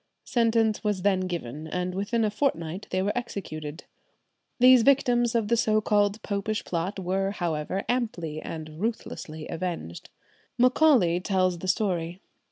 Sentence was then given, and within a fortnight they were executed. These victims of the so called Popish Plot were, however, amply and ruthlessly avenged. Macaulay tells the story.